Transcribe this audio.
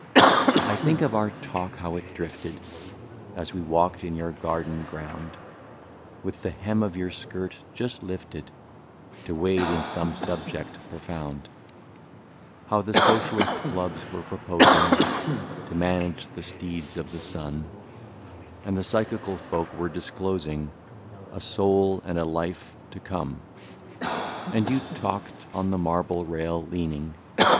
I THINK of our talk how it drifted, As we walked in your garden ground, With the hem of your skirt just lifted, To wade in some subject profound, — How the socialist folk were proposing To manage the steeds of the sun ; And our psychical friends were disclosing A soul and a life to come ; And you talked on the marble rail leaning.